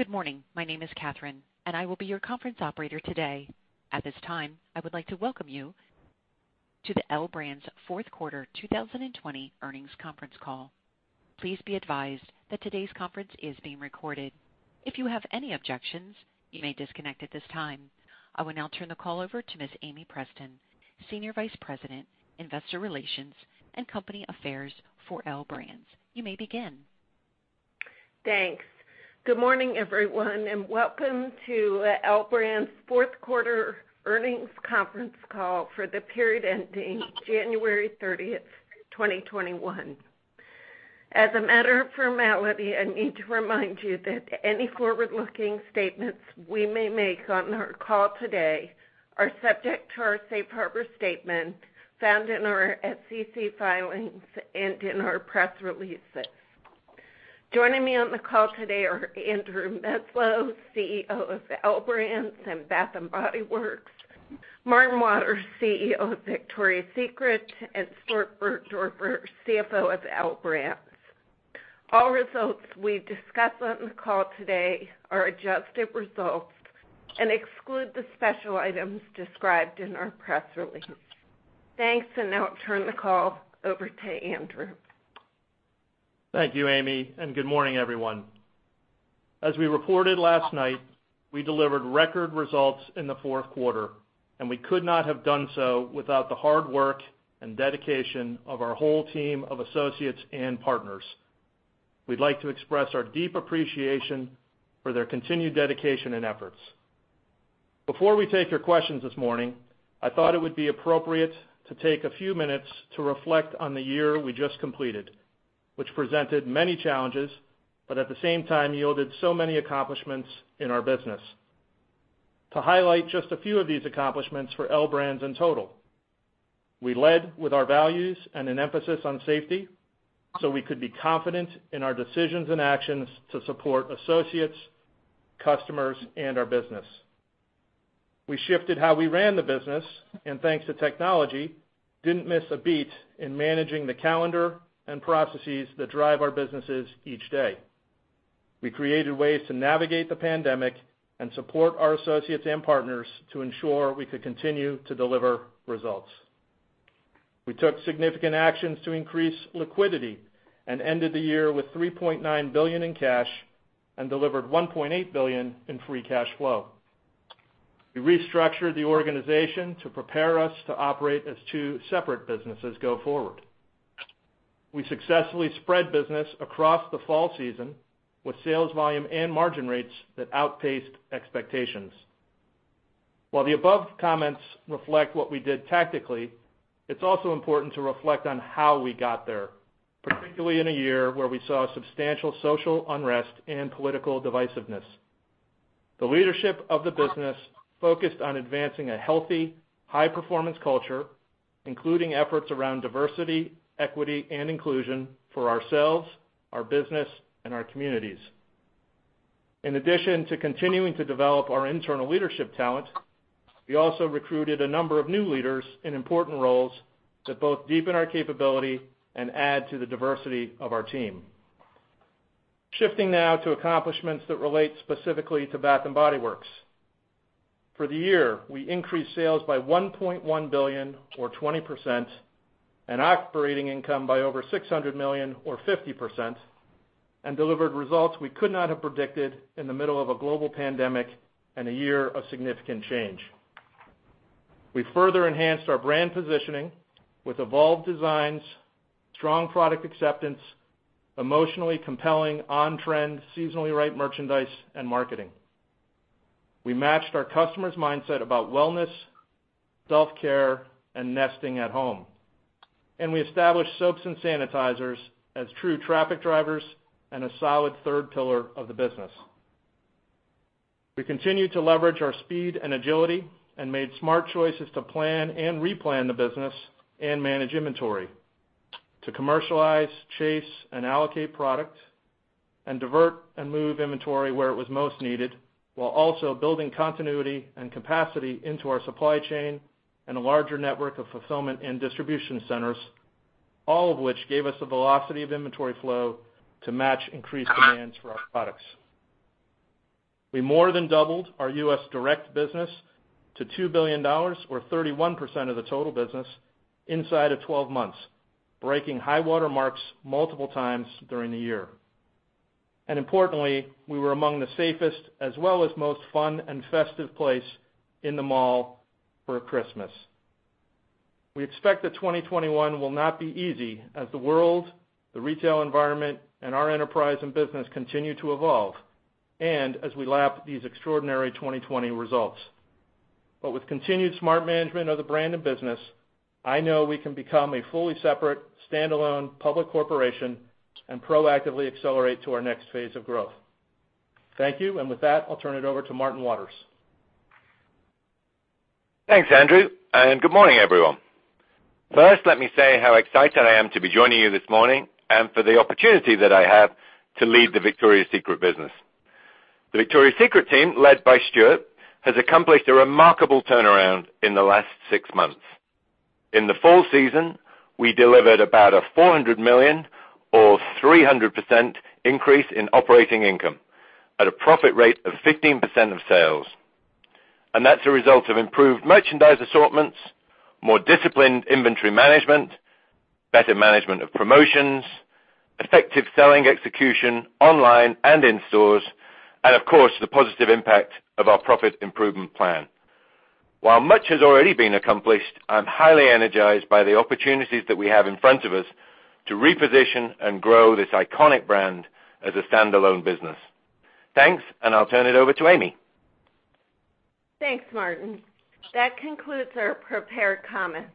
Good morning. My name is Katherine. I will be your conference operator today. At this time, I would like to welcome you to the L Brands' Q4 2020 earnings conference call. Please be advised that today's conference is being recorded. If you have any objections, you may disconnect at this time. I will now turn the call over to Ms. Amie Preston, Senior Vice President, Investor Relations and Company Affairs for L Brands. You may begin. Thanks. Good morning, everyone, and welcome to L Brands' Q4 earnings conference call for the period ending January 30th, 2021. As a matter of formality, I need to remind you that any forward-looking statements we may make on our call today are subject to our safe harbor statement found in our SEC filings and in our press releases. Joining me on the call today are Andrew Meslow, CEO of L Brands and Bath & Body Works, Martin Waters, CEO of Victoria's Secret, and Stuart Burgdoerfer, CFO of L Brands. All results we discuss on the call today are adjusted results and exclude the special items described in our press release. Thanks, and now I'll turn the call over to Andrew. Thank you, Amie, and good morning, everyone. As we reported last night, we delivered record results in the Q4, and we could not have done so without the hard work and dedication of our whole team of associates and partners. We'd like to express our deep appreciation for their continued dedication and efforts. Before we take your questions this morning, I thought it would be appropriate to take a few minutes to reflect on the year we just completed, which presented many challenges, but at the same time yielded so many accomplishments in our business. To highlight just a few of these accomplishments for L Brands in total, we led with our values and an emphasis on safety so we could be confident in our decisions and actions to support associates, customers, and our business. We shifted how we ran the business, thanks to technology, didn't miss a beat in managing the calendar and processes that drive our businesses each day. We created ways to navigate the pandemic and support our associates and partners to ensure we could continue to deliver results. We took significant actions to increase liquidity, ended the year with $3.9 billion in cash and delivered $1.8 billion in free cash flow. We restructured the organization to prepare us to operate as two separate businesses go forward. We successfully spread business across the fall season with sales volume and margin rates that outpaced expectations. While the above comments reflect what we did tactically, it's also important to reflect on how we got there, particularly in a year where we saw substantial social unrest and political divisiveness. The leadership of the business focused on advancing a healthy, high-performance culture, including efforts around diversity, equity, and inclusion for us, our business, and our communities. In addition to continuing to develop our internal leadership talent, we also recruited a number of new leaders in important roles that both deepen our capability and add to the diversity of our team. Shifting now to accomplishments that relate specifically to Bath & Body Works. For the year, we increased sales by $1.1 billion or 20%, and operating income by over $600 million or 50%, and delivered results we could not have predicted in the middle of a global pandemic and a year of significant change. We further enhanced our brand positioning with evolved designs, strong product acceptance, emotionally compelling, on-trend, seasonally right merchandise and marketing. We matched our customers' mindset about wellness, self-care, and nesting at home. We established soaps and sanitizers as true traffic drivers and a solid third pillar of the business. We continued to leverage our speed and agility and made smart choices to plan and replan the business and manage inventory to commercialize, chase, and allocate product and divert and move inventory where it was most needed, while also building continuity and capacity into our supply chain and a larger network of fulfillment in distribution centers, all of which gave us the velocity of inventory flow to match increased demands for our products. We more than doubled our U.S. direct business to $2 billion, or 31% of the total business, inside of 12 months, breaking high water marks multiple times during the year. Importantly, we were among the safest as well as most fun and festive place in the mall for Christmas. We expect that 2021 will not be easy as the world, the retail environment, and our enterprise and business continue to evolve and as we lap these extraordinary 2020 results. With continued smart management of the brand and business, I know we can become a fully separate, stand-alone public corporation and proactively accelerate to our next phase of growth. Thank you. With that, I'll turn it over to Martin Waters. Thanks, Andrew, good morning, everyone. First, let me say how excited I am to be joining you this morning and for the opportunity that I have to lead the Victoria's Secret business. The Victoria's Secret team, led by Stuart, has accomplished a remarkable turnaround in the last six months. In the fall season, we delivered about a $400 million or 300% increase in operating income at a profit rate of 15% of sales. That's a result of improved merchandise assortments, more disciplined inventory management, better management of promotions, effective selling execution online and in stores, and of course, the positive impact of our profit improvement plan. While much has already been accomplished, I'm highly energized by the opportunities that we have in front of us to reposition and grow this iconic brand as a standalone business. Thanks, I'll turn it over to Amie. Thanks, Martin. That concludes our prepared comments.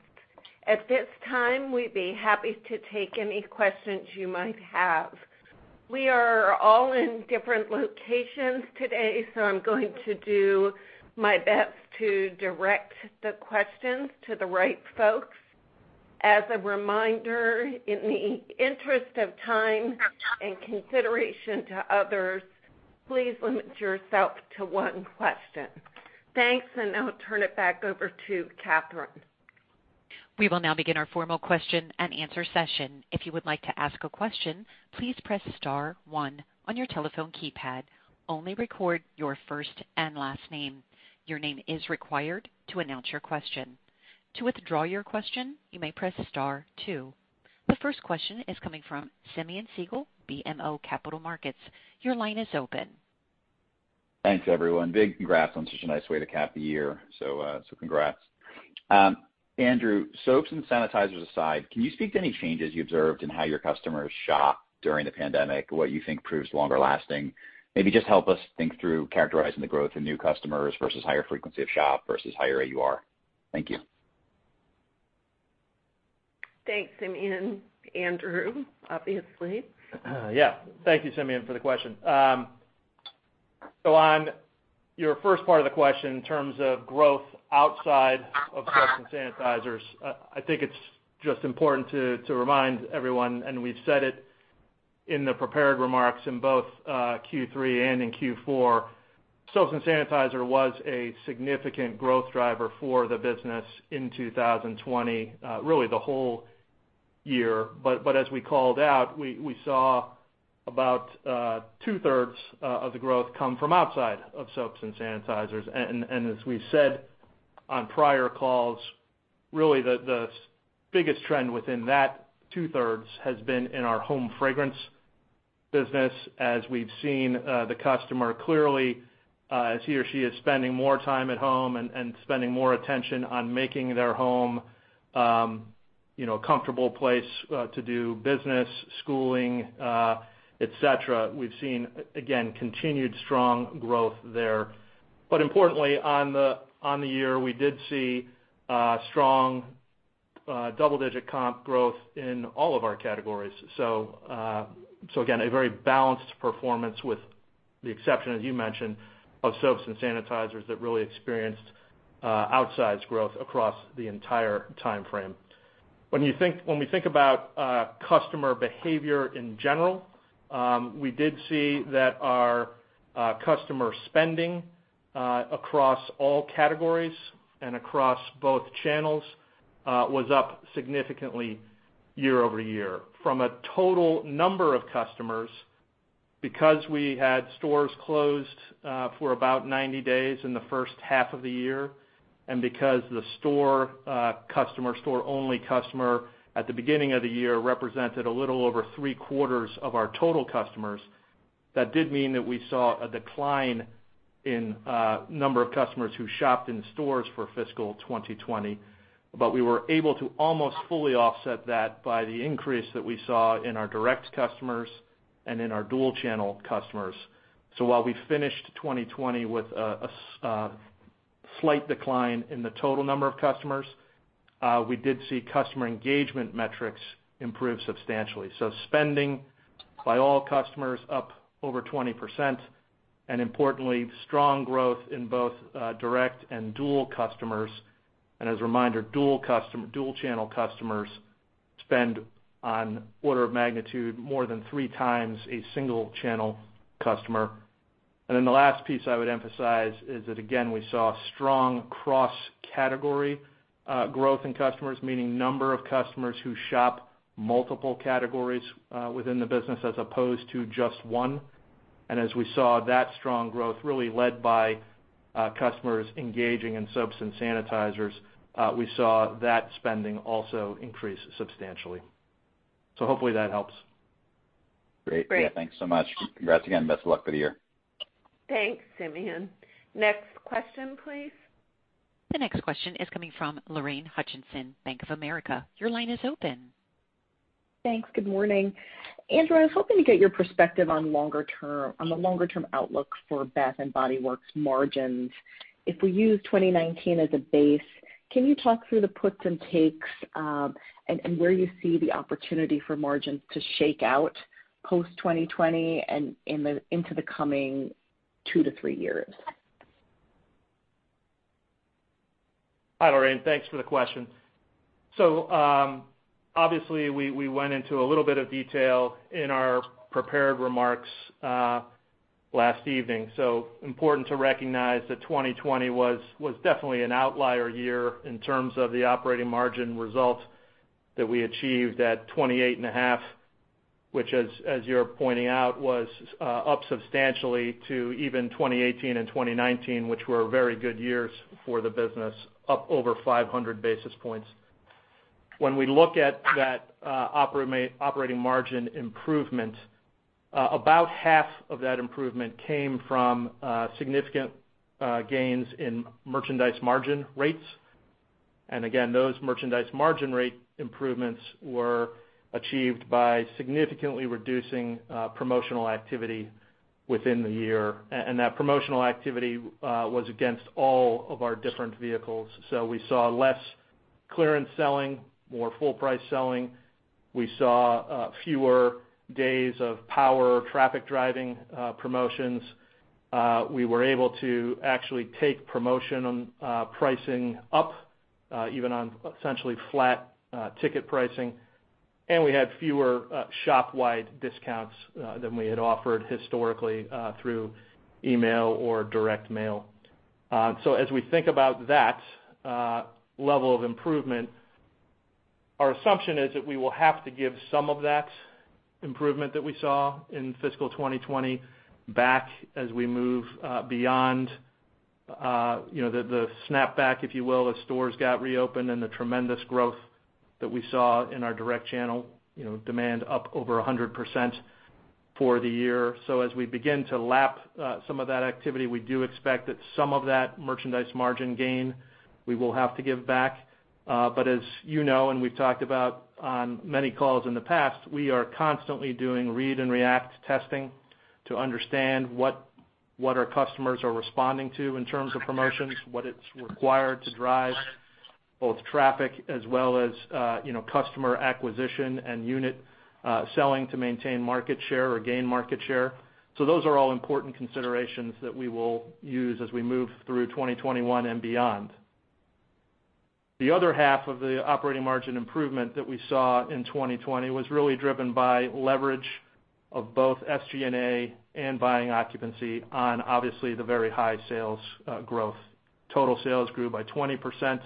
At this time, we'd be happy to take any questions you might have. We are all in different locations today, so I'm going to do my best to direct the questions to the right folks. As a reminder, in the interest of time and consideration to others, please limit yourself to one question. Thanks, and I'll turn it back over to Katherine. We will now begin our formal question-and-answer session. If you would like to ask a question, please press star one on your telephone keypad. Only record your first and last name. Your name is required to announce your question. To withdraw your question, you may press star two. The first question is coming from Simeon Siegel, BMO Capital Markets. Your line is open. Thanks, everyone. Big congrats on such a nice way to cap the year. Congrats. Andrew, soaps and sanitizers aside, can you speak to any changes you observed in how your customers shop during the pandemic, what you think proves longer lasting? Maybe just help us think through characterizing the growth in new customers versus higher frequency of shop versus higher AUR. Thank you. Thanks, Simeon. Andrew, obviously. Thank you, Simeon, for the question. On your first part of the question, in terms of growth outside of soaps and sanitizers, I think it's just important to remind everyone, and we've said it in the prepared remarks in both Q3 and in Q4, soaps and sanitizer was a significant growth driver for the business in 2020, really the whole year. As we called out, we saw about two-thirds of the growth come from outside of soaps and sanitizers. As we said on prior calls, really the biggest trend within that two-thirds has been in our home fragrance business, as we've seen the customer clearly as he or she is spending more time at home and spending more attention on making their home a comfortable place to do business, schooling, et cetera. We've seen, again, continued strong growth there. Importantly, on the year, we did see strong double-digit comp growth in all of our categories. Again, a very balanced performance with the exception, as you mentioned, of soaps and sanitizers that really experienced outsized growth across the entire timeframe. When we think about customer behavior in general, we did see that our customer spending across all categories and across both channels was up significantly year-over-year. From a total number of customers, because we had stores closed for about 90 days in the first half of the year, and because the store customer, store only customer at the beginning of the year represented a little over three-quarters of our total customers, that did mean that we saw a decline in number of customers who shopped in stores for fiscal 2020. We were able to almost fully offset that by the increase that we saw in our direct customers and in our dual channel customers. While we finished 2020 with a slight decline in the total number of customers, we did see customer engagement metrics improve substantially. Spending by all customers up over 20% and importantly, strong growth in both direct and dual customers. As a reminder, dual channel customers spend on order of magnitude more than three times a single channel customer. Then the last piece I would emphasize is that, again, we saw strong cross-category growth in customers, meaning number of customers who shop multiple categories within the business as opposed to just one. As we saw that strong growth really led by customers engaging in soaps and sanitizers, we saw that spending also increases substantially. Hopefully that helps. Great. Great. Thanks so much. Congrats again. Best of luck for the year. Thanks, Simeon. Next question, please. The next question is coming from Lorraine Hutchinson, Bank of America. Thanks. Good morning. Andrew, I was hoping to get your perspective on the longer-term outlook for Bath & Body Works margins. If we use 2019 as a base, can you talk through the puts and takes, and where you see the opportunity for margins to shake out post 2020 and into the coming two to three years? Hi, Lorraine. Thanks for the question. Obviously, we went into a little bit of detail in our prepared remarks last evening. Important to recognize that 2020 was definitely an outlier year in terms of the operating margin results that we achieved at 28.5%, which as you're pointing out, was up substantially to even 2018 and 2019, which were very good years for the business, up over 500-basis points. When we look at that operating margin improvement, about half of that improvement came from significant gains in merchandise margin rates. Again, those merchandise margin rate improvements were achieved by significantly reducing promotional activity within the year. That promotional activity was against all of our different vehicles. We saw less clearance selling, more full price selling. We saw fewer days of power traffic driving promotions. We were able to actually take promotion on pricing up, even on essentially flat ticket pricing. We had fewer shop-wide discounts than we had offered historically through email or direct mail. As we think about that level of improvement, our assumption is that we will have to give some of that improvement that we saw in fiscal 2020 back as we move beyond the snap back, if you will, as stores got reopened and the tremendous growth that we saw in our direct channel, demand up over 100% for the year. As we begin to lap some of that activity, we do expect that some of that merchandise margin gain, we will have to give back. As you know, and we've talked about on many calls in the past, we are constantly doing read and react testing to understand what our customers are responding to in terms of promotions, what it's required to drive both traffic as well as customer acquisition and unit selling to maintain market share or gain market share. Those are all important considerations that we will use as we move through 2021 and beyond. The other half of the operating margin improvement that we saw in 2020 was really driven by leverage of both SG&A and buying occupancy on, obviously, the very high sales growth. Total sales grew by 20%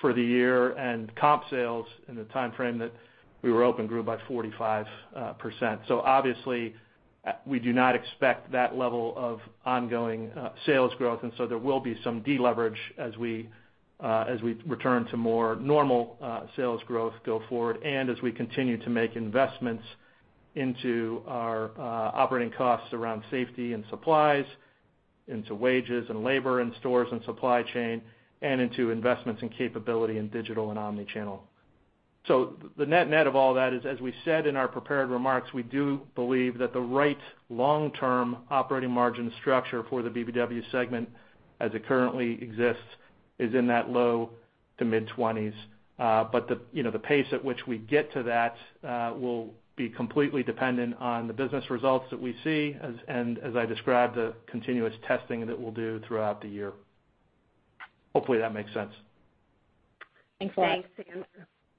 for the year, and comp sales in the timeframe that we were open grew by 45%. Obviously, we do not expect that level of ongoing sales growth, and so there will be some deleverage as we return to more normal sales growth go forward, and as we continue to make investments into our operating costs around safety and supplies, into wages and labor in stores and supply chain, and into investments in capability in digital and omni-channel. The net of all that is, as we said in our prepared remarks, we do believe that the right long-term operating margin structure for the BBW segment as it currently exists, is in that low to mid 20s. The pace at which we get to that will be completely dependent on the business results that we see and as I described, the continuous testing that we'll do throughout the year. Hopefully that makes sense. Thanks, Andrew.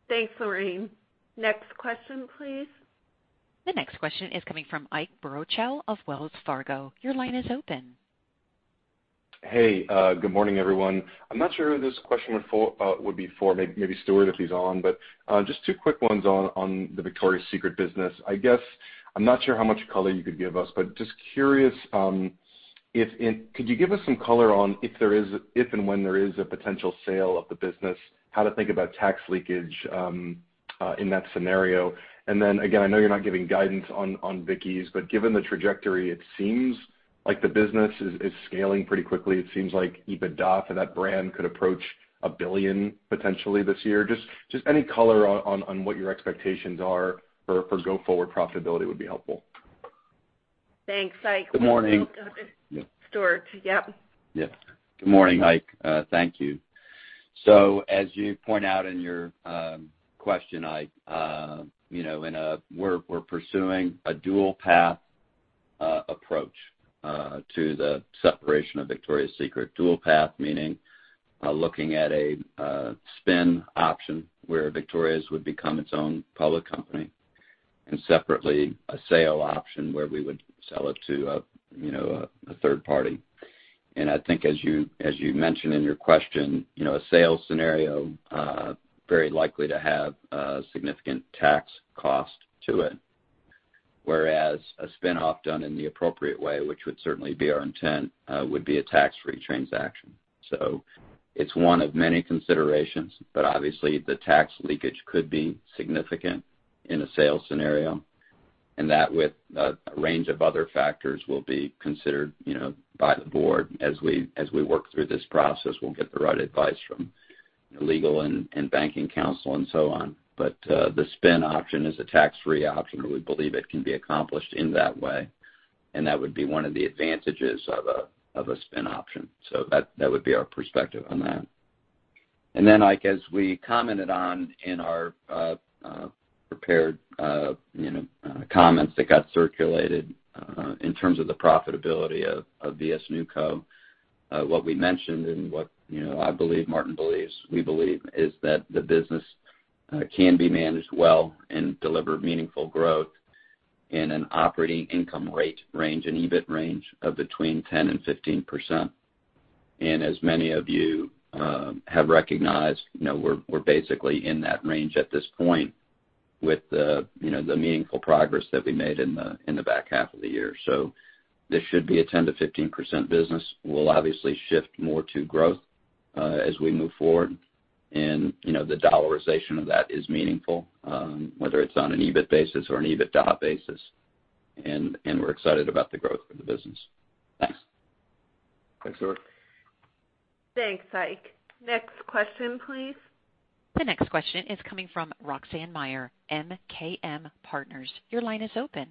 Thanks, Lorraine. Next question, please. The next question is coming from Ike Boruchow of Wells Fargo. Your line is open. Hey. Good morning, everyone. I'm not sure who this question would be for, maybe Stuart if he's on. Just two quick ones on the Victoria's Secret business. I guess, I'm not sure how much color you could give us, but just curious, could you give us some color on if and when there is a potential sale of the business, how to think about tax leakage in that scenario? Again, I know you're not giving guidance on Vicky's, but given the trajectory, it seems like the business is scaling pretty quickly. It seems like EBITDA for that brand could approach $1 billion potentially this year. Just any color on what your expectations are for go forward profitability would be helpful. Thanks, Ike. Good morning. Stuart. Yep. Yeah. Good morning, Ike. Thank you. As you point out in your question, Ike, we're pursuing a dual path approach to the separation of Victoria's Secret. Dual path meaning looking at a spin option where Victoria's would become its own public company, and separately a sale option where we would sell it to a third party. I think as you mentioned in your question, a sales scenario very likely to have a significant tax cost to it. Whereas a spinoff done in the appropriate way, which would certainly be our intent, would be a tax-free transaction. It's one of many considerations, but obviously the tax leakage could be significant in a sales scenario. That with a range of other factors will be considered by the board as we work through this process. We'll get the right advice from legal and banking counsel and so on. The spin option is a tax-free option, and we believe it can be accomplished in that way, and that would be one of the advantages of a spin option. That would be our perspective on that. Ike, as we commented on in our prepared comments that got circulated in terms of the profitability of VS NewCo What we mentioned and what I believe Martin believes, we believe, is that the business can be managed well and deliver meaningful growth in an operating income rate range and EBIT range of between 10% and 15%. As many of you have recognized, we're basically in that range at this point with the meaningful progress that we made in the back half of the year. This should be a 10%-15% business. We'll obviously shift more to growth as we move forward. The dollarization of that is meaningful, whether it's on an EBIT basis or an EBITDA basis. We're excited about the growth of the business. Thanks. Thanks, Stuart. Thanks, Ike. Next question, please. The next question is coming from Roxanne Meyer, MKM Partners. Your line is open.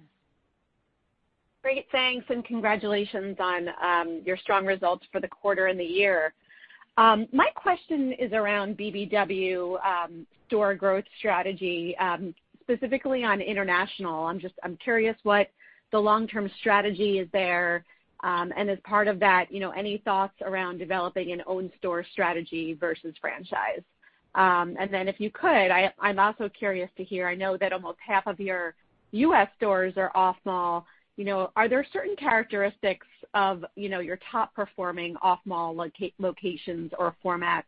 Great. Thanks. Congratulations on your strong results for the quarter and the year. My question is around BBW store growth strategy, specifically on international. I'm curious what the long-term strategy is there. As part of that, any thoughts around developing an own store strategy versus franchise? If you could, I'm also curious to hear, I know that almost half of your U.S. stores are off mall. Are there certain characteristics of your top performing off-mall locations or formats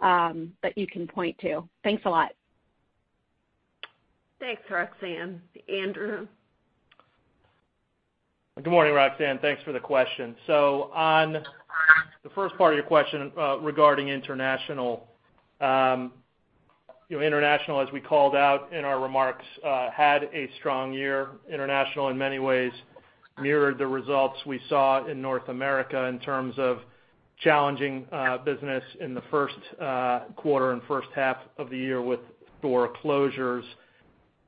that you can point to? Thanks a lot. Thanks, Roxanne. Andrew? Good morning, Roxanne. Thanks for the question. On the first part of your question regarding International. International, as we called out in our remarks, had a strong year. International in many ways mirrored the results we saw in North America in terms of challenging business in the Q1 and H1 of the year with store closures.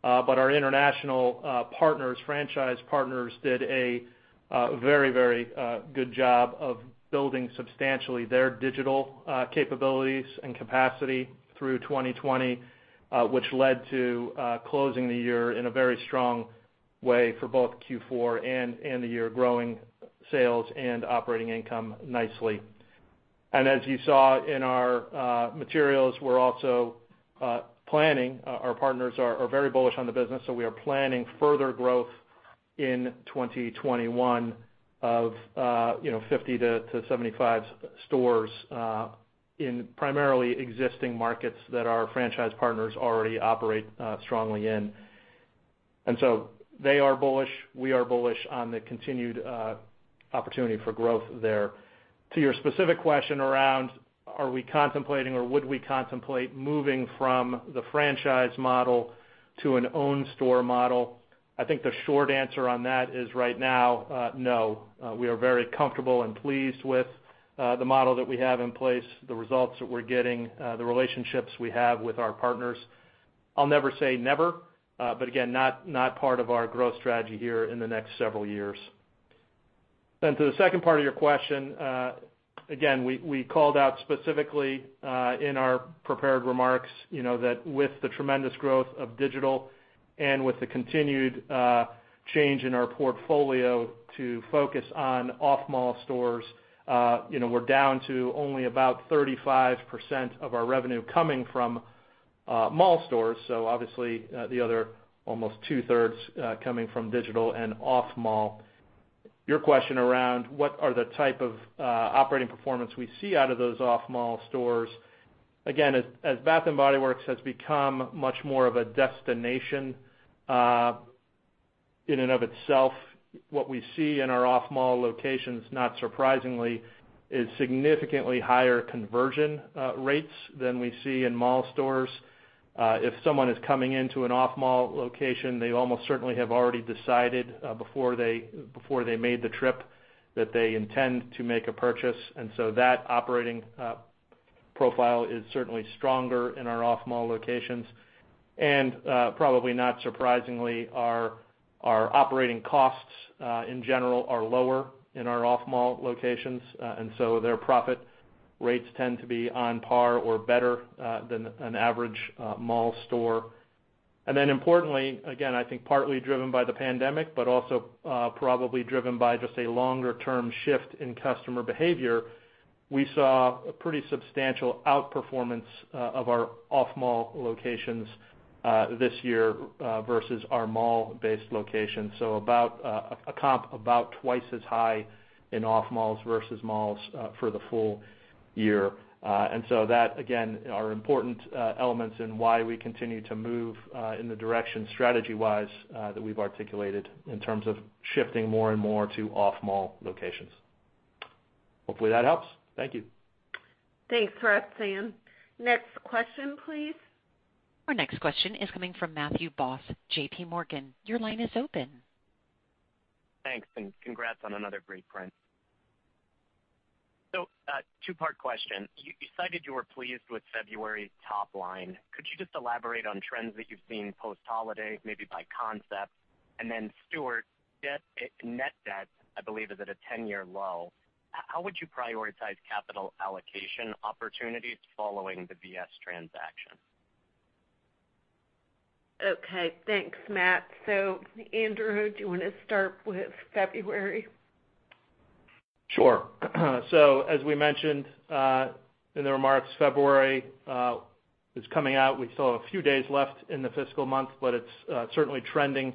Our international partners, franchise partners, did a very good job of building substantially their digital capabilities and capacity through 2020, which led to closing the year in a very strong way for both Q4 and the year, growing sales and operating income nicely. As you saw in our materials, our partners are very bullish on the business, so we are planning further growth in 2021 of 50-75 stores in primarily existing markets that our franchise partners already operate strongly in. They are bullish, we are bullish on the continued opportunity for growth there. To your specific question around, are we contemplating or would we contemplate moving from the franchise model to an own store model? I think the short answer on that is right now, no. We are very comfortable and pleased with the model that we have in place, the results that we're getting, the relationships we have with our partners. I'll never say never, but again, not part of our growth strategy here in the next several years. To the second part of your question, again, we called out specifically in our prepared remarks that with the tremendous growth of digital and with the continued change in our portfolio to focus on off-mall stores, we're down to only about 35% of our revenue coming from mall stores. Obviously, the other almost two-thirds coming from digital and off-mall. Your question around what the type of operating performance are we see out of those off-mall stores. As Bath & Body Works has become much more of a destination in and of itself, what we see in our off-mall locations, not surprisingly, is significantly higher conversion rates than we see in mall stores. If someone is coming into an off-mall location, they almost certainly have already decided before they made the trip that they intend to make a purchase. That operating profile is certainly stronger in our off-mall locations. Probably not surprisingly, our operating costs, in general, are lower in our off-mall locations. Their profit rates tend to be on par or better than an average mall store. Importantly, again, I think partly driven by the pandemic, but also probably driven by just a longer-term shift in customer behavior, we saw a pretty substantial outperformance of our off-mall locations this year versus our mall-based locations. A comp about twice as high in off malls versus malls for the full year. That, again, are important elements in why we continue to move in the direction strategy-wise that we've articulated in terms of shifting more and more to off-mall locations. Hopefully, that helps. Thank you. Thanks, Roxanne. Next question, please. Our next question is coming from Matthew Boss, JPMorgan. Your line is open. Thanks, and congrats on another great print. Two-part question. You cited you were pleased with February's top line. Could you just elaborate on trends that you've seen post-holiday, maybe by concept? Stuart, net debt, I believe, is at a 10-year low. How would you prioritize capital allocation opportunities following the VS transaction? Okay. Thanks, Matt. Andrew, do you want to start with February? Sure. As we mentioned in the remarks, February is coming out. We still have a few days left in the fiscal month, but it's certainly trending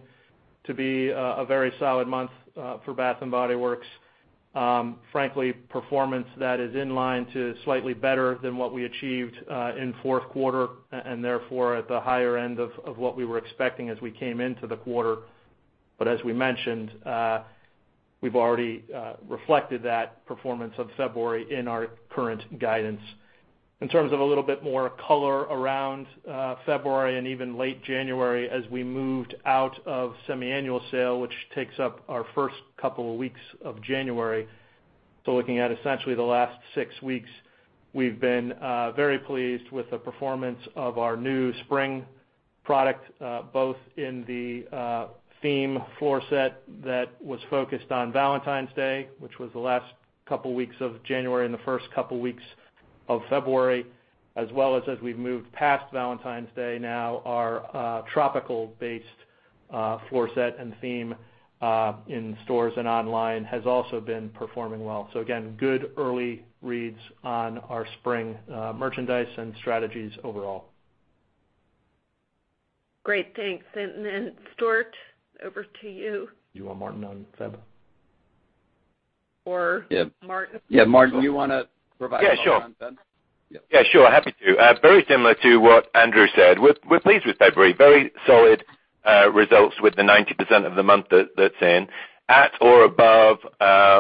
to be a very solid month for Bath & Body Works. Frankly, performance that is in line to slightly better than what we achieved in Q4, and therefore at the higher end of what we were expecting as we came into the quarter. As we mentioned, we've already reflected that performance of February in our current guidance. In terms of a little bit more color around February and even late January as we moved out of semiannual sale, which takes up our first couple of weeks of January. Looking at essentially the last six weeks, we've been very pleased with the performance of our new spring product, both in the theme floor set that was focused on Valentine's Day, which was the last couple weeks of January and the first couple weeks of February, as well as we've moved past Valentine's Day now, our tropical-based floor set and theme, in stores and online, has also been performing well. Again, good early reads on our spring merchandise and strategies overall. Great, thanks. Stuart, over to you. You want Martin in Feb? Martin. Yeah, Martin, do you want to provide a little in Feb? Yeah, sure. Happy to. Very similar to what Andrew said. We're pleased with February. Very solid results with the 90% of the month that's in at or above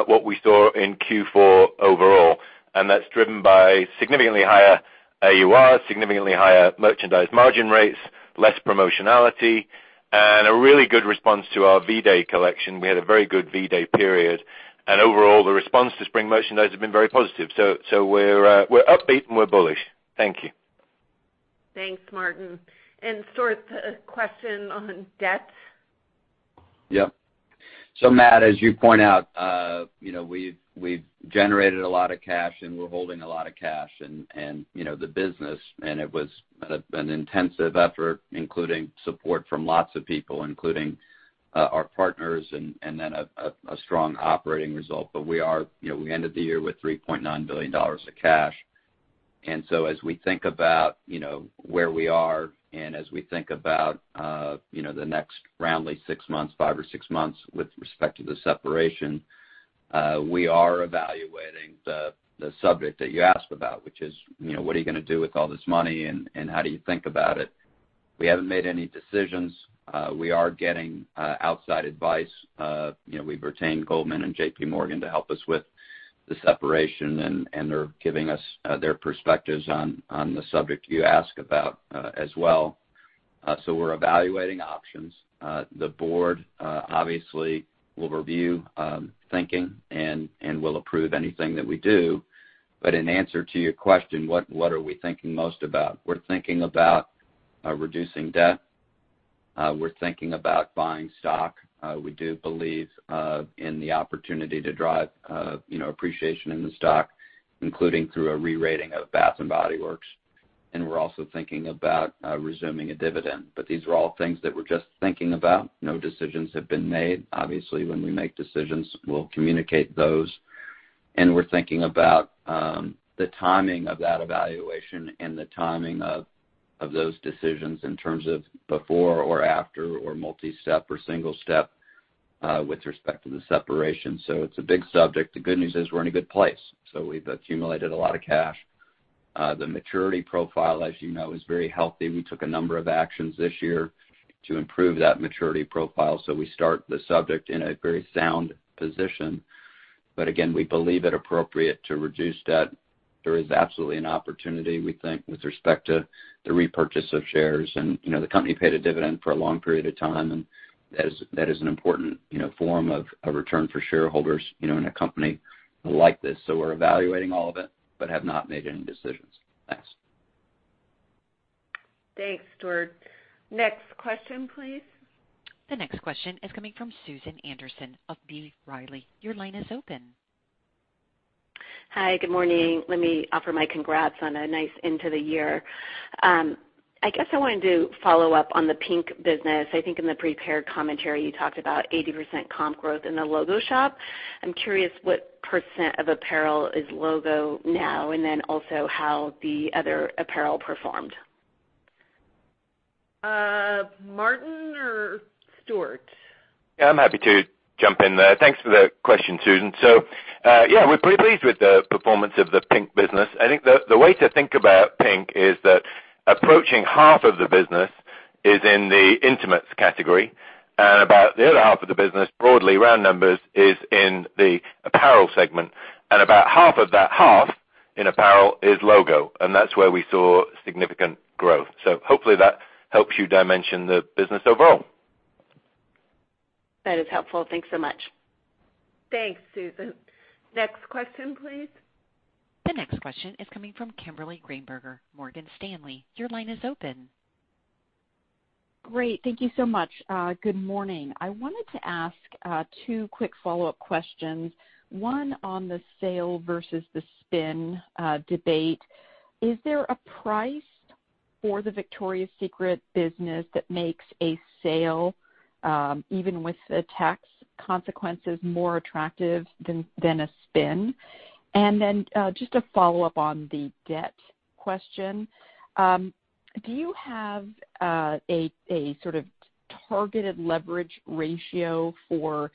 what we saw in Q4 overall, and that's driven by significantly higher AUR, significantly higher merchandise margin rates, less promotionality, and a really good response to our V-Day collection. We had a very good V-Day period. Overall, the response to spring merchandise has been very positive. We're upbeat, and we're bullish. Thank you. Thanks, Martin. Stuart, a question on debt. Yep. Matt, as you point out, we've generated a lot of cash, and we're holding a lot of cash and the business, and it was an intensive effort, including support from lots of people, including our partners and then a strong operating result. We ended the year with $3.9 billion of cash. As we think about where we are and as we think about the next roundly six months, five or six months, with respect to the separation, we are evaluating the subject that you asked about, which is what are you going to do with all this money, and how do you think about it? We haven't made any decisions. We are getting outside advice. We've retained Goldman and JPMorgan to help us with the separation, and they're giving us their perspectives on the subject you ask about as well. We're evaluating options. The board obviously will review thinking and will approve anything that we do. In answer to your question, what are we thinking most about? We're thinking about reducing debt. We're thinking about buying stock. We do believe in the opportunity to drive appreciation in the stock, including through a re-rating of Bath & Body Works. We're also thinking about resuming a dividend. These are all things that we're just thinking about. No decisions have been made. Obviously, when we make decisions, we'll communicate those. We're thinking about the timing of that evaluation and the timing of those decisions in terms of before or after or multi-step or single step with respect to the separation. It's a big subject. The good news is we're in a good place. We've accumulated a lot of cash. The maturity profile, as you know, is very healthy. We took a number of actions this year to improve that maturity profile. We start the subject in a very sound position. Again, we believe it appropriate to reduce debt. There is absolutely an opportunity, we think, with respect to the repurchase of shares. The company paid a dividend for a long period of time, and that is an important form of a return for shareholders in a company like this. We're evaluating all of it but have not made any decisions. Thanks. Thanks, Stuart. Next question, please. The next question is coming from Susan Anderson of B. Riley. Your line is open. Hi, good morning. Let me offer my congrats on a nice end to the year. I guess I wanted to follow up on the PINK business. I think in the prepared commentary, you talked about 80% comp growth in the logo shop. I'm curious what percent of apparel is logo now and then also how the other apparel performed. Martin or Stuart. I'm happy to jump in there. Thanks for the question, Susan. Yeah, we're pretty pleased with the performance of the PINK business. I think the way to think about PINK is that approaching half of the business is in the intimates category, and about the other half of the business, broadly round numbers, is in the apparel segment. About half of that half in apparel is logo, and that's where we saw significant growth. Hopefully that helps you dimension the business overall. That is helpful. Thanks so much. Thanks, Susan. Next question, please. The next question is coming from Kimberly Greenberger, Morgan Stanley. Your line is open. Great. Thank you so much. Good morning. I wanted to ask two quick follow-up questions. One on the sale versus the spin debate. Is there a price For the Victoria's Secret business that makes a sale, even with the tax consequences, more attractive than a spin. Then just to follow up on the debt question, do you have a sort of targeted leverage ratio for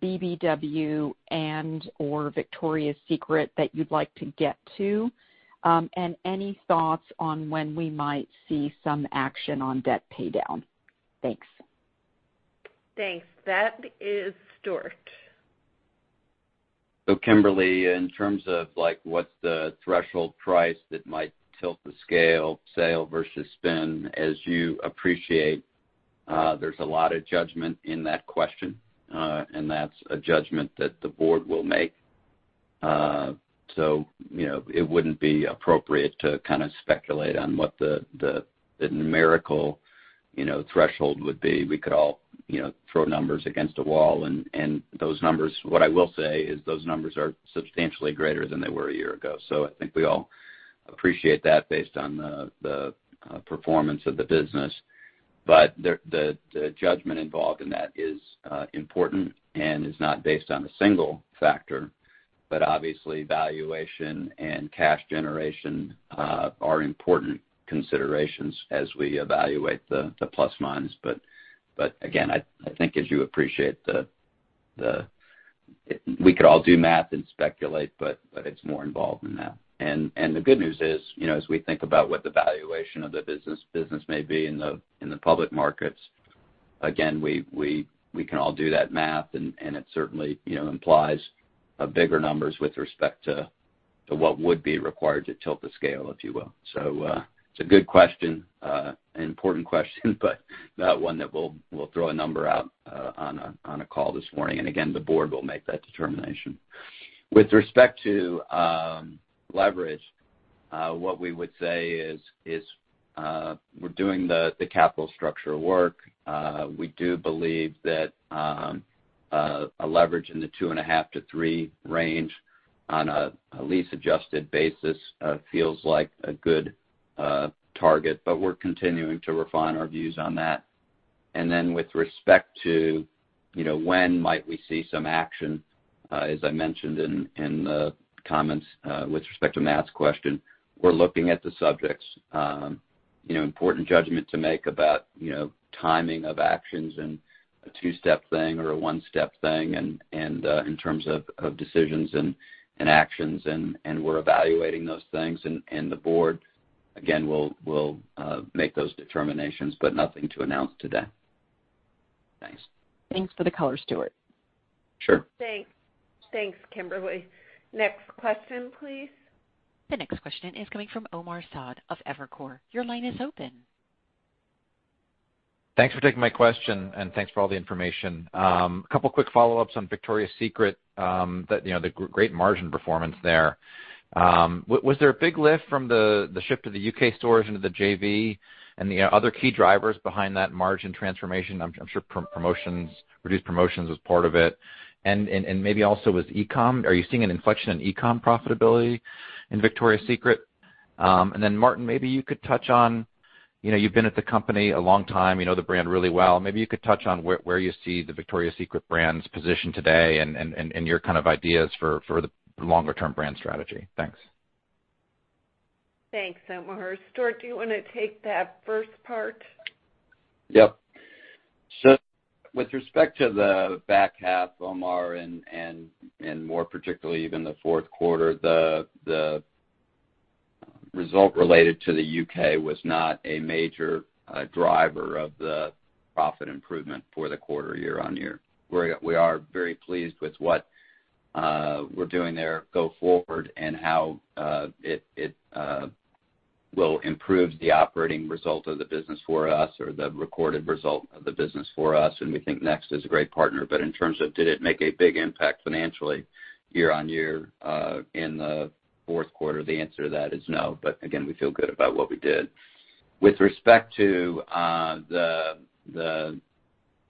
BBW and/or Victoria's Secret that you'd like to get to? Any thoughts on when we might see some action on debt paydown? Thanks. Thanks. That is Stuart. Kimberly, in terms of what's the threshold price that might tilt the scale, sale versus spin, as you appreciate, there's a lot of judgment in that question. That's a judgment that the board will make. It wouldn't be appropriate to speculate on what the numerical threshold would be. We could all throw numbers against a wall, and what I will say is those numbers are substantially greater than they were a year ago. I think we all appreciate that based on the performance of the business. The judgment involved in that is important and is not based on a single factor. Obviously, valuation and cash generation are important considerations as we evaluate the plus/minus. Again, I think as you appreciate, we could all do math and speculate, but it's more involved than that. The good news is, as we think about what the valuation of the business may be in the public markets, again, we can all do that math, and it certainly implies bigger numbers with respect to what would be required to tilt the scale, if you will. It's a good question, an important question, but not one that we'll throw a number out on a call this morning. Again, the board will make that determination. With respect to leverage, what we would say is we're doing the capital structure work. We do believe that a leverage in the 2.5 to 3 range on a lease-adjusted basis feels like a good target. We're continuing to refine our views on that. Then with respect to when might we see some action, as I mentioned in the comments with respect to Matt's question, we're looking at the subjects. Important judgment to make about timing of actions and a two-step thing or a one-step thing, and in terms of decisions and actions, and we're evaluating those things. The board, again, will make those determinations, but nothing to announce today. Thanks. Thanks for the color, Stuart. Sure. Thanks, Kimberly. Next question, please. The next question is coming from Omar Saad of Evercore. Your line is open. Thanks for taking my question, and thanks for all the information. Couple quick follow-ups on Victoria's Secret, the great margin performance there. Was there a big lift from the shift of the U.K. stores into the JV, and the other key drivers behind that margin transformation? I'm sure reduced promotions was part of it. Maybe also with e-com, are you seeing an inflection in e-com profitability in Victoria's Secret? Then Martin, you've been at the company a long time, you know the brand really well. Maybe you could touch on where you see the Victoria's Secret brand's position today and your ideas for the longer-term brand strategy. Thanks. Thanks, Omar. Stuart, do you want to take that first part? Yep. With respect to the back half, Omar, more particularly even the Q4, the result related to the U.K. was not a major driver of the profit improvement for the quarter year-on-year. We are very pleased with what we're doing there go forward and how it will improve the operating result of the business for us or the recorded result of the business for us, and we think Next is a great partner. In terms of did it make a big impact financially year-on-year in the fourth quarter, the answer to that is no. Again, we feel good about what we did. With respect to the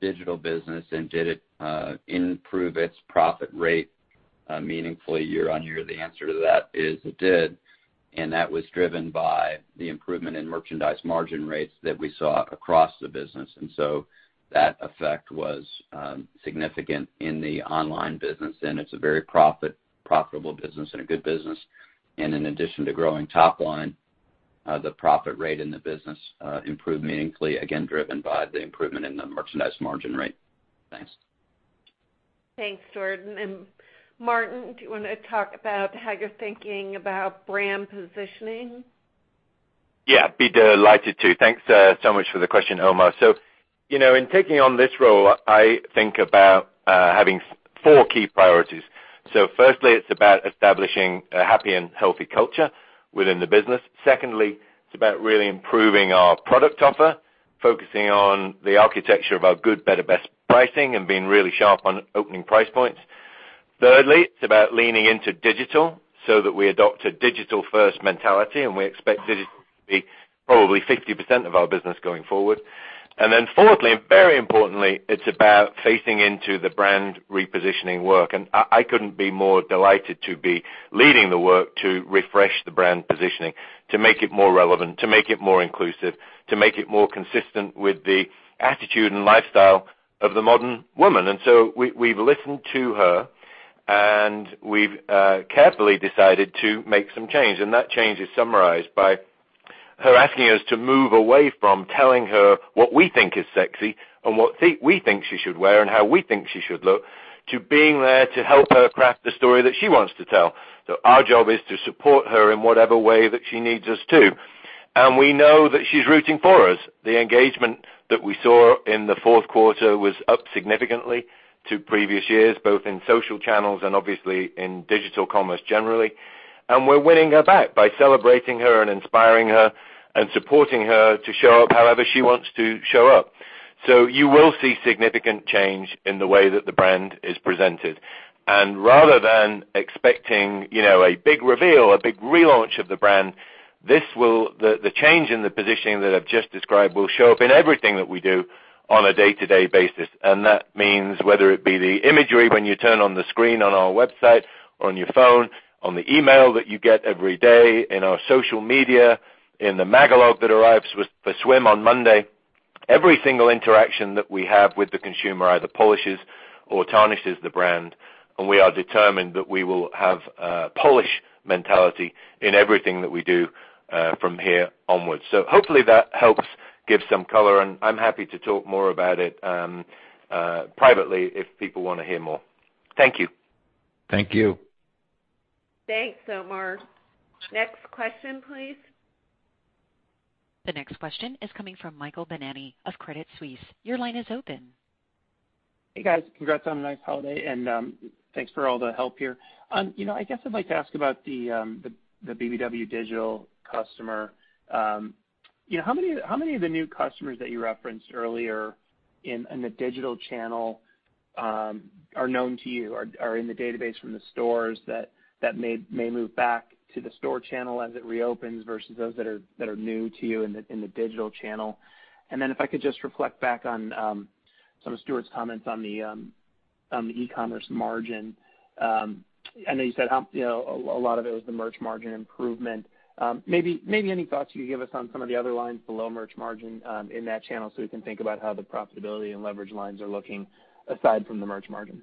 digital business, and did it improve its profit rate meaningfully year-over-year, the answer to that is it did, and that was driven by the improvement in merchandise margin rates that we saw across the business. That effect was significant in the online business, and it's a very profitable business and a good business. In addition to growing top line, the profit rate in the business improved meaningfully, again, driven by the improvement in the merchandise margin rate. Thanks. Thanks, Stuart. Martin, do you want to talk about how you're thinking about brand positioning? Yeah, be delighted to. Thanks so much for the question, Omar. In taking on this role, I think about having four key priorities. Firstly, it's about establishing a happy and healthy culture within the business. Secondly, it's about really improving our product offer, focusing on the architecture of our good, better, best pricing and being really sharp on opening price points. Thirdly, it's about leaning into digital so that we adopt a digital-first mentality, and we expect digital to be probably 50% of our business going forward. Fourthly, and very importantly, it's about facing into the brand repositioning work. I couldn't be more delighted to be leading the work to refresh the brand positioning, to make it more relevant, to make it more inclusive, to make it more consistent with the attitude and lifestyle of the modern woman. We've listened to her, and we've carefully decided to make some change. That change is summarized by her asking us to move away from telling her what we think is sexy and what we think she should wear and how we think she should look, to being there to help her craft the story that she wants to tell. Our job is to support her in whatever way that she needs us to. We know that she's rooting for us. The engagement that we saw in the fourth quarter was up significantly to previous years, both in social channels and obviously in digital commerce generally. We're winning her back by celebrating her and inspiring her and supporting her to show up however she wants to show up. You will see significant change in the way that the brand is presented. Rather than expecting a big reveal, a big relaunch of the brand, the change in the positioning that I've just described will show up in everything that we do on a day-to-day basis. That means whether it be the imagery when you turn on the screen on our website, on your phone, on the email that you get every day, in our social media, in the magalog that arrives for swim on Monday. Every single interaction that we have with the consumer either polishes or tarnishes the brand, and we are determined that we will have a polish mentality in everything that we do from here onwards. Hopefully that helps give some color, and I'm happy to talk more about it privately if people want to hear more. Thank you. Thank you. Thanks, Omar. Next question, please. The next question is coming from Michael Binetti of Credit Suisse. Your line is open. Hey, guys. Congrats on a nice holiday and thanks for all the help here. I guess I'd like to ask about the BBW digital customer. How many of the new customers that you referenced earlier in the digital channel are known to you, are in the database from the stores that may move back to the store channel as it reopens versus those that are new to you in the digital channel? If I could just reflect back on some of Stuart's comments on the e-commerce margin. I know you said a lot of it was the merch margin improvement. Maybe any thoughts you could give us on some of the other lines below merch margin in that channel so we can think about how the profitability and leverage lines are looking aside from the merch margin.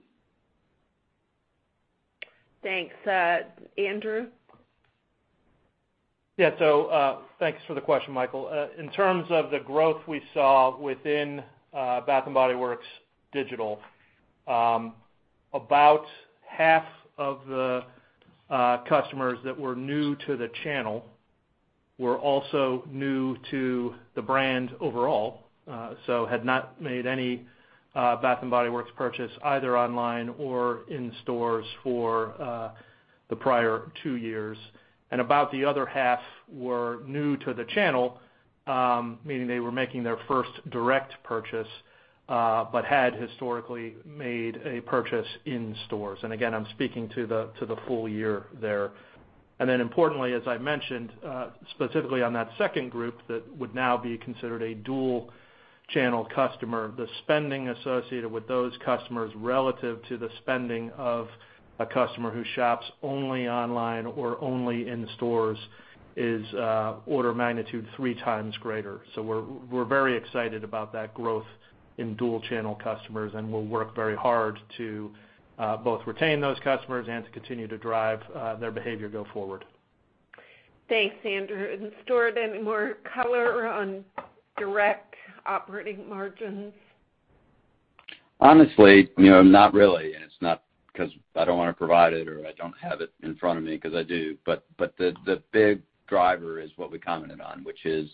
Thanks. Andrew? Thanks for the question, Michael. In terms of the growth we saw within Bath & Body Works digital, about half of the customers that were new to the channel were also new to the brand overall, so had not made any Bath & Body Works purchase either online or in stores for the prior two years. About the other half were new to the channel, meaning they were making their first direct purchase, but had historically made a purchase in stores. Again, I'm speaking to the full year there. Importantly, as I mentioned, specifically on that second group, that would now be considered a dual channel customer. The spending associated with those customers relative to the spending of a customer who shops only online or only in stores is order of magnitude three times greater. We're very excited about that growth in dual channel customers, and we'll work very hard to both retain those customers and to continue to drive their behavior go forward. Thanks, Andrew. Stuart, any more color on direct operating margins? Honestly, not really. It's not because I don't want to provide it or I don't have it in front of me, because I do. The big driver is what we commented on, which is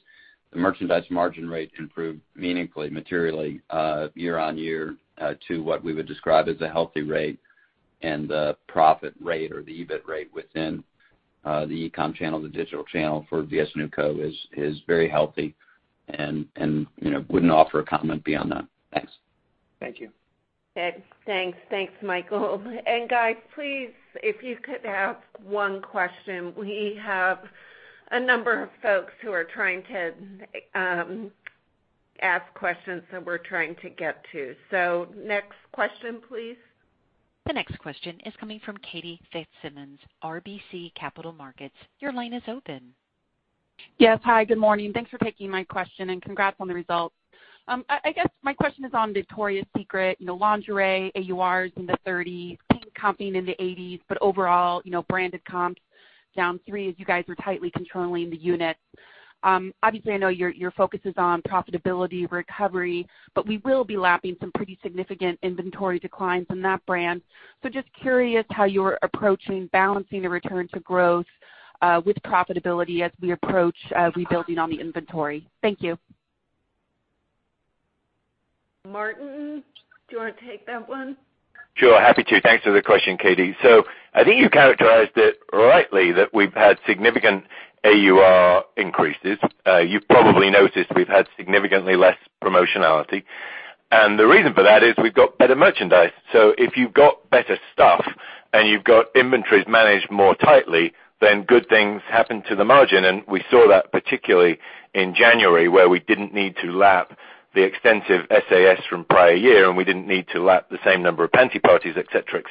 the merchandise margin rate improved meaningfully, materially year-on-year to what we would describe as a healthy rate. The profit rate or the EBIT rate within the e-com channel, the digital channel for VS NewCo is very healthy and wouldn't offer a comment beyond that. Thanks. Thank you. Okay, thanks. Thanks, Michael. Guys, please, if you could ask one question, we have a number of folks who are trying to ask questions that we're trying to get to. Next question, please. The next question is coming from Kate Fitzsimons, RBC Capital Markets. Your line is open. Yes. Hi, good morning. Thanks for taking my question and congrats on the results. I guess my question is on Victoria's Secret lingerie. AUR is in the 30, comping in the 80s. Overall, branded comps down three as you guys are tightly controlling the units. Obviously, I know your focus is on profitability recovery. We will be lapping some pretty significant inventory declines in that brand. Just curious how you're approaching balancing the return to growth with profitability as we approach rebuilding on the inventory. Thank you. Martin, do you want to take that one? Sure, happy to. Thanks for the question, Kate. I think you characterized it rightly that we've had significant AUR increases. You've probably noticed we've had significantly less promotionality. The reason for that is we've got better merchandise. If you've got better stuff and you've got inventories managed more tightly, good things happen to the margin. We saw that particularly in January, where we didn't need to lap the extensive SAS from prior year, and we didn't need to lap the same number of panty parties, et cetera.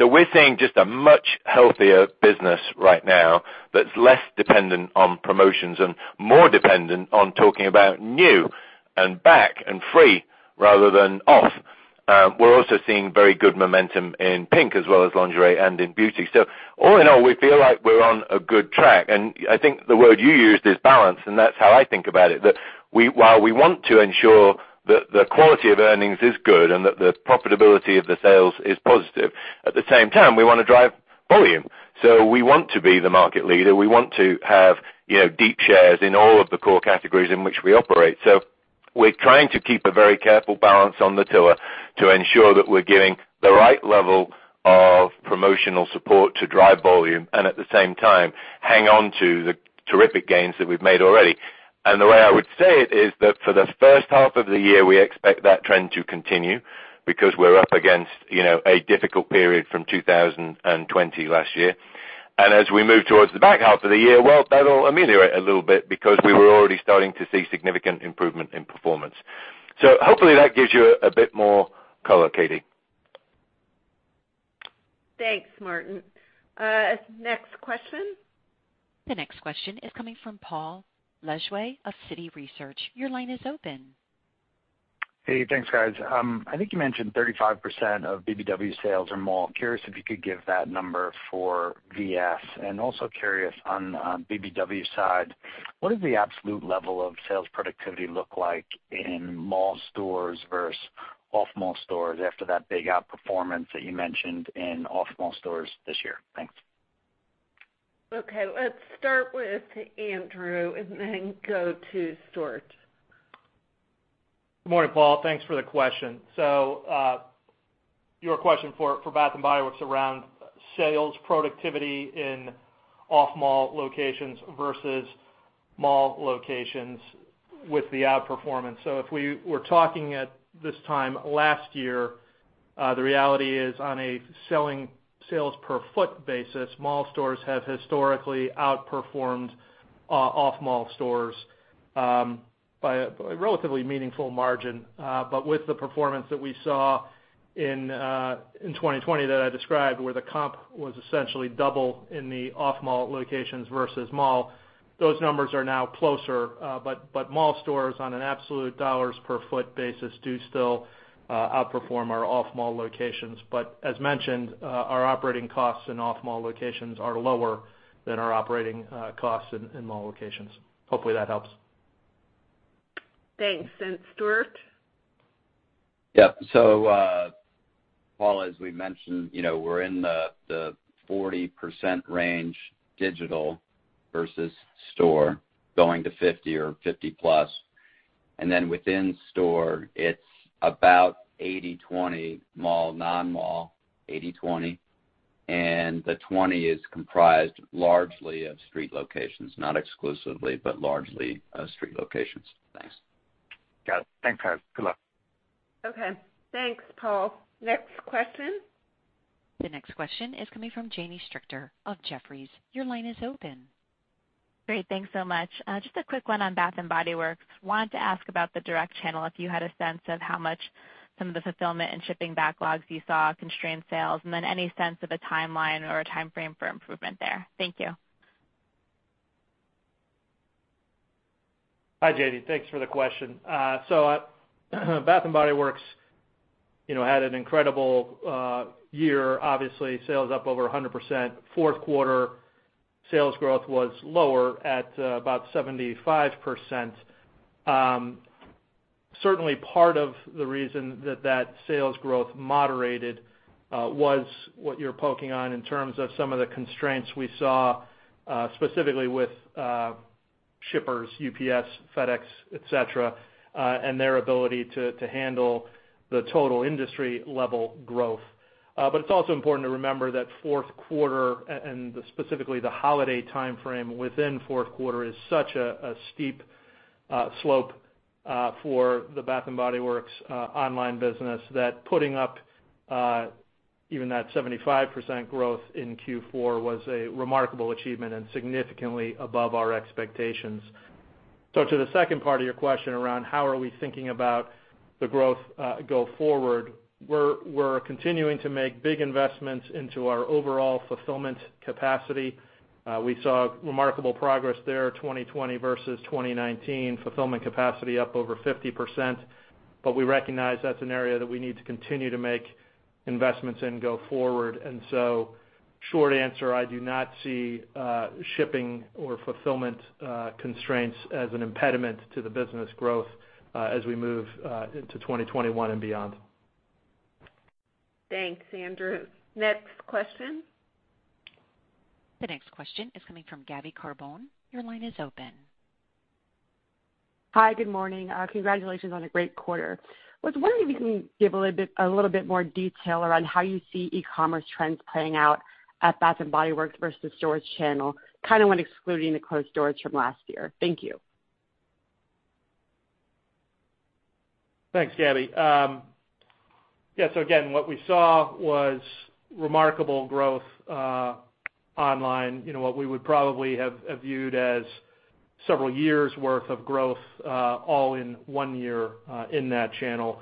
We're seeing just a much healthier business right now that's less dependent on promotions and more dependent on talking about new and back and free rather than off. We're also seeing very good momentum in PINK as well as lingerie and in beauty. All in all, we feel like we're on a good track. I think the word you used is balance, and that's how I think about it, that while we want to ensure that the quality of earnings is good and that the profitability of the sales is positive, at the same time, we want to drive volume. We want to be the market leader. We want to have deep shares in all of the core categories in which we operate. We're trying to keep a very careful balance on the tiller to ensure that we're giving the right level of promotional support to drive volume and, at the same time, hang on to the terrific gains that we've made already. The way I would say it is that for the first half of the year, we expect that trend to continue because we're up against a difficult period from 2020 last year. As we move towards the back half of the year, well, that'll ameliorate a little bit because we were already starting to see significant improvement in performance. Hopefully that gives you a bit more color, Kate. Thanks, Martin. Next question. The next question is coming from Paul Lejuez of Citi Research. Hey, thanks, guys. I think you mentioned 35% of BBW sales are mall. Curious if you could give that number for VS and also curious on BBW side, what does the absolute level of sales productivity look like in mall stores versus off-mall stores after that big outperformance that you mentioned in off-mall stores this year? Thanks. Okay. Let's start with Andrew and then go to Stuart. Good morning, Paul. Thanks for the question. Your question for Bath & Body Works around sales productivity in off-mall locations versus mall locations with the outperformance. If we were talking at this time last year, the reality is on a selling sales per foot basis, mall stores have historically outperformed off-mall stores by a relatively meaningful margin. With the performance that we saw in 2020 that I described, where the comp was essentially double in the off-mall locations versus mall, those numbers are now closer. Mall stores on an absolute dollars per foot basis do still outperform our off-mall locations. As mentioned, our operating costs in off-mall locations are lower than our operating costs in mall locations. Hopefully, that helps. Thanks. Stuart? Paul, as we mentioned, we're in the 40% range digital versus store going to 50 or 50+. Within store, it's about 80/20 mall, non-mall, 80/20. The 20 is comprised largely of street locations. Not exclusively, but largely street locations. Thanks. Got it. Thanks, guys. Good luck. Okay. Thanks, Paul. Next question. The next question is coming from Jay Sole of UBS. Your line is open. Great. Thanks so much. Just a quick one on Bath & Body Works. Wanted to ask about the direct channel, if you had a sense of how much some of the fulfillment and shipping backlogs you saw constrained sales, and then any sense of a timeline or a timeframe for improvement there. Thank you. Hi, Jay. Thanks for the question. Bath & Body Works had an incredible year. Obviously, sales up over 100%. Fourth quarter sales growth was lower at about 75%. Certainly, part of the reason that sales growth moderated was what you're poking on in terms of some of the constraints we saw, specifically with shippers, UPS, FedEx, et cetera, and their ability to handle the total industry-level growth. It's also important to remember that fourth quarter, and specifically the holiday timeframe within fourth quarter, is such a steep slope for the Bath & Body Works online business that putting up even that 75% growth in Q4 was a remarkable achievement and significantly above our expectations. To the second part of your question around how are we thinking about the growth go forward, we're continuing to make big investments into our overall fulfillment capacity. We saw remarkable progress there, 2020 versus 2019, fulfillment capacity up over 50%, but we recognize that's an area that we need to continue to make investments in go forward. Short answer, I do not see shipping or fulfillment constraints as an impediment to the business growth as we move into 2021 and beyond. Thanks, Andrew. Next question. The next question is coming from Gabriella Carbone. Your line is open. Hi, good morning. Congratulations on a great quarter. Was wondering if you can give a little bit more detail around how you see e-commerce trends playing out at Bath & Body Works versus stores channel, kind of when excluding the closed stores from last year? Thank you. Thanks, Gabby. Again, what we saw was remarkable growth online, what we would probably have viewed as several years' worth of growth all in one year in that channel.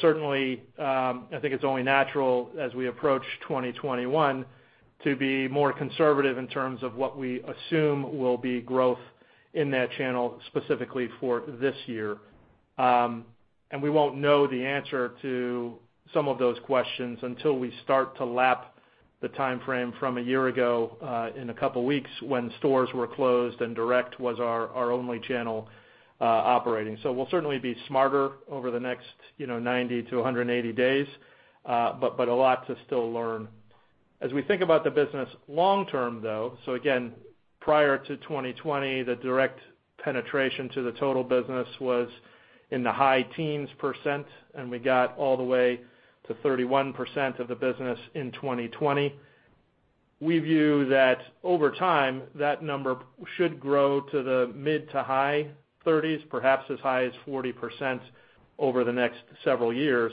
Certainly, I think it's only natural as we approach 2021 to be more conservative in terms of what we assume will be growth in that channel specifically for this year. We won't know the answer to some of those questions until we start to lap the timeframe from a year ago, in a couple of weeks, when stores were closed and direct was our only channel operating. We'll certainly be smarter over the next 90 to 180 days, but a lot to still learn. As we think about the business long term, though, prior to 2020, the direct penetration to the total business was in the high teens%, and we got all the way to 31% of the business in 2020. We view that over time, that number should grow to the mid- to high 30s, perhaps as high as 40% over the next several years.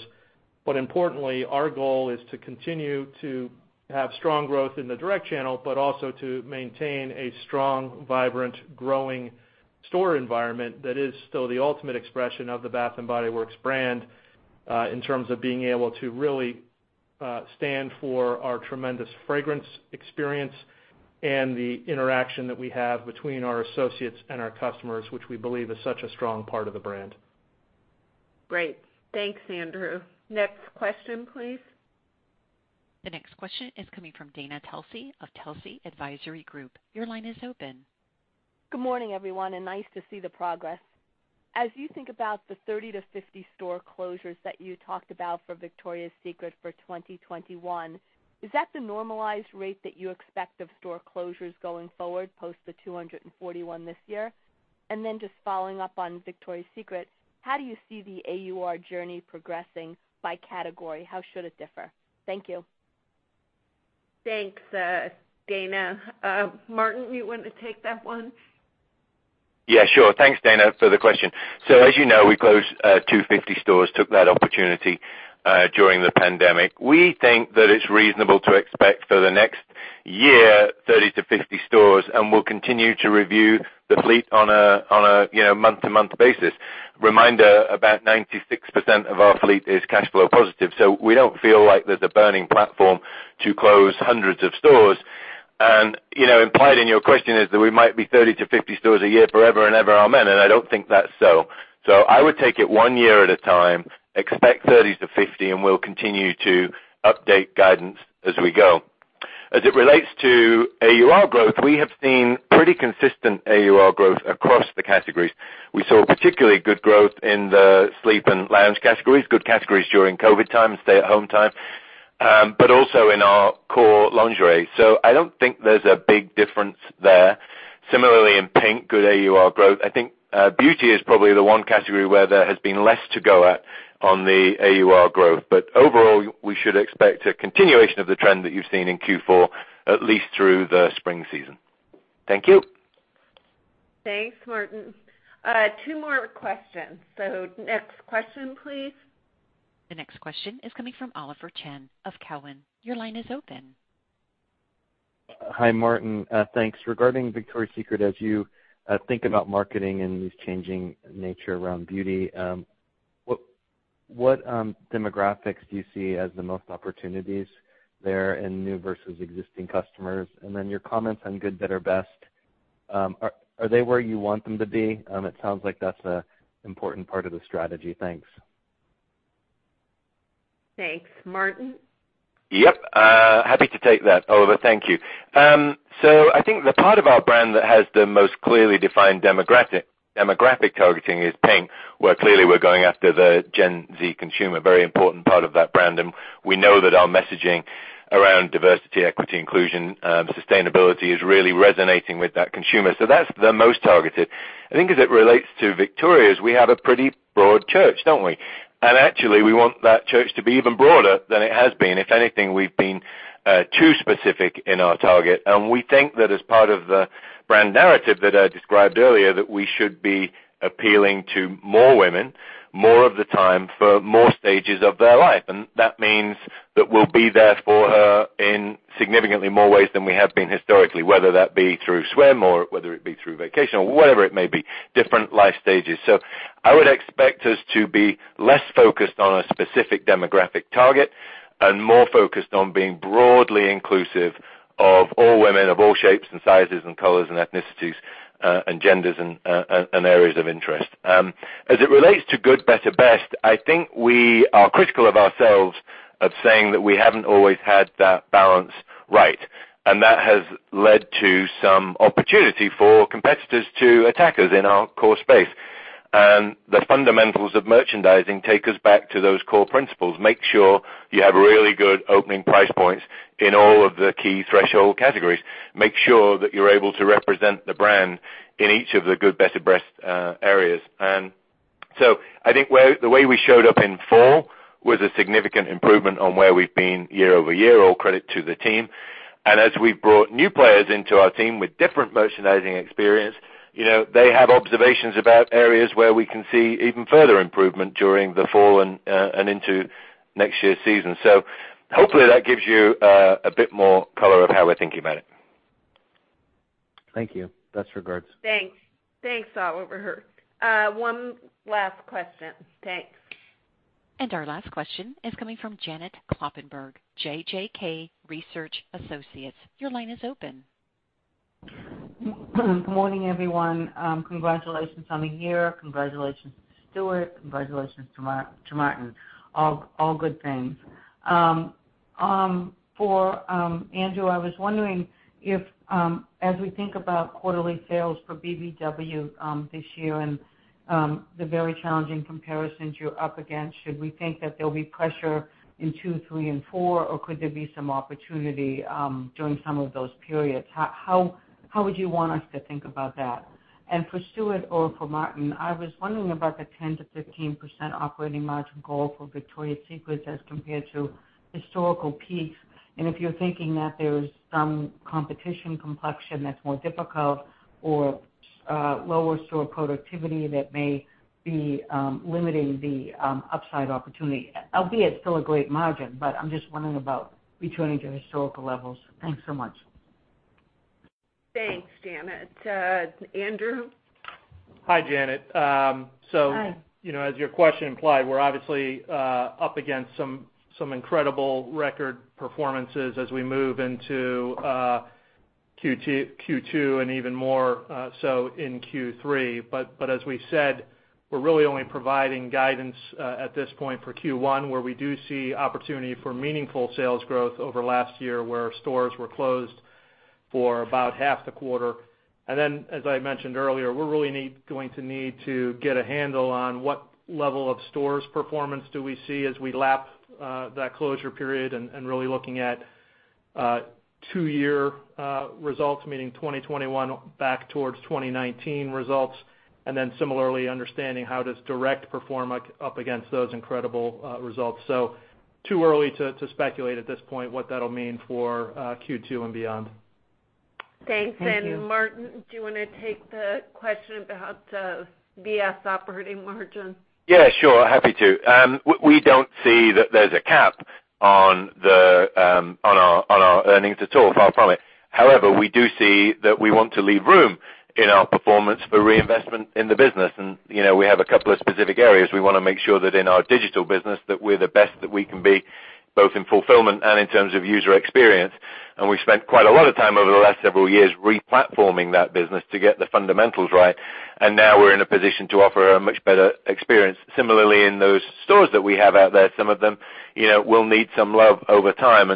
Importantly, our goal is to continue to have strong growth in the direct channel, but also to maintain a strong, vibrant, growing store environment that is still the ultimate expression of the Bath & Body Works brand in terms of being able to really stand for our tremendous fragrance experience and the interaction that we have between our associates and our customers, which we believe is such a strong part of the brand. Great. Thanks, Andrew. Next question, please. The next question is coming from Dana Telsey of Telsey Advisory Group. Your line is open. Good morning, everyone, and nice to see the progress. As you think about the 30-50 store closures that you talked about for Victoria's Secret for 2021, is that the normalized rate that you expect of store closures going forward post the 241 this year? Just following up on Victoria's Secret, how do you see the AUR journey progressing by category? How should it differ? Thank you. Thanks, Dana. Martin, you want to take that one? Yeah, sure. Thanks, Dana, for the question. As you know, we closed 250 stores, took that opportunity during the pandemic. We think that it's reasonable to expect for the next year, 30-50 stores, and we'll continue to review the fleet on a month-to-month basis. Reminder, about 96% of our fleet is cash flow positive, so we don't feel like there's a burning platform to close hundreds of stores. Implied in your question is that we might be 30-50 stores a year forever and ever, amen, and I don't think that's so. I would take it one year at a time, expect 30-50, and we'll continue to update guidance as we go. As it relates to AUR growth, we have seen pretty consistent AUR growth across the categories. We saw particularly good growth in the sleep and lounge categories, good categories during COVID time and stay-at-home time, but also in our core lingerie. I don't think there's a big difference there. Similarly, in PINK, good AUR growth. I think beauty is probably the one category where there has been less to go at on the AUR growth. Overall, we should expect a continuation of the trend that you've seen in Q4, at least through the spring season. Thank you. Thanks, Martin. Two more questions. Next question, please. The next question is coming from Oliver Chen of Cowen. Your line is open. Hi, Martin. Thanks. Regarding Victoria's Secret, as you think about marketing and the changing nature around beauty, what demographics do you see as the most opportunities there in new versus existing customers? Then your comments on good, better, best, are they where you want them to be? It sounds like that's an important part of the strategy. Thanks. Thanks. Martin? Yep. Happy to take that, Oliver. Thank you. I think the part of our brand that has the most clearly defined demographic targeting is PINK, where clearly we're going after the Gen Z consumer, very important part of that brand. We know that our messaging around diversity, equity, inclusion, sustainability is really resonating with that consumer. That's the most targeted. I think as it relates to Victoria's, we have a pretty broad church, don't we? Actually, we want that church to be even broader than it has been. If anything, we've been too specific in our target, and we think that as part of the brand narrative that I described earlier, that we should be appealing to more women more of the time for more stages of their life. That means that we'll be there for her in significantly more ways than we have been historically, whether that be through swim or whether it be through vacation or whatever it may be, different life stages. I would expect us to be less focused on a specific demographic target and more focused on being broadly inclusive of all women of all shapes and sizes and colors and ethnicities and genders and areas of interest. As it relates to good, better, best, I think we are critical of ourselves of saying that we haven't always had that balance right. That has led to some opportunity for competitors to attack us in our core space. The fundamentals of merchandising take us back to those core principles. Make sure you have really good opening price points in all of the key threshold categories. Make sure that you're able to represent the brand in each of the good, better, best areas. I think the way we showed up in fall was a significant improvement on where we've been year-over-year, all credit to the team. As we've brought new players into our team with different merchandising experience, they have observations about areas where we can see even further improvement during the fall and into next year's season. Hopefully that gives you a bit more color of how we're thinking about it. Thank you. Best regards. Thanks. Thanks, Oliver. One last question. Thanks. Our last question is coming from Janet Kloppenburg, JJK Research Associates. Your line is open. Good morning, everyone. Congratulations on the year. Congratulations to Stuart. Congratulations to Martin. All good things. For Andrew, I was wondering if, as we think about quarterly sales for BBW this year and the very challenging comparisons you're up against, should we think that there'll be pressure in 2, 3, and 4, or could there be some opportunity during some of those periods? How would you want us to think about that? For Stuart or for Martin, I was wondering about the 10%-15% operating margin goal for Victoria's Secret as compared to historical peaks, and if you're thinking that there's some competition complexion that's more difficult or lower store productivity that may be limiting the upside opportunity, albeit still a great margin, but I'm just wondering about returning to historical levels. Thanks so much. Thanks, Janet. Andrew? Hi, Janet. Hi. As your question implied, we're obviously up against some incredible record performances as we move into Q2 and even more so in Q3. As we said, we're really only providing guidance at this point for Q1, where we do see opportunity for meaningful sales growth over last year, where our stores were closed for about half the quarter. As I mentioned earlier, we're really going to need to get a handle on what level of stores performance do we see as we lap that closure period and really looking at two-year results, meaning 2021 back towards 2019 results, and then similarly understanding how does direct perform up against those incredible results. Too early to speculate at this point what that'll mean for Q2 and beyond. Thank you. Thanks. Martin, do you want to take the question about the VS operating margin? Yeah, sure, happy to. We don't see that there's a cap on our earnings at all, far from it. However, we do see that we want to leave room in our performance for reinvestment in the business, and we have a couple of specific areas. We want to make sure that in our digital business, that we're the best that we can be, both in fulfillment and in terms of user experience. We've spent quite a lot of time over the last several years re-platforming that business to get the fundamentals right, and now we're in a position to offer a much better experience. Similarly, in those stores that we have out there, some of them will need some love over time.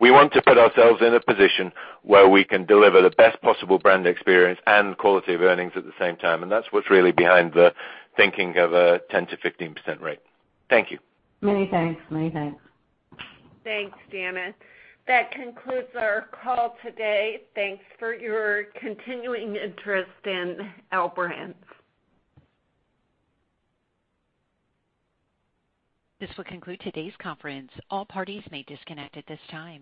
We want to put ourselves in a position where we can deliver the best possible brand experience and quality of earnings at the same time. That's what's really behind the thinking of a 10%-15% rate. Thank you. Many thanks. Thanks, Janet. That concludes our call today. Thanks for your continuing interest in our brands. This will conclude today's conference. All parties may disconnect at this time.